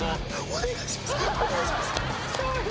お願いします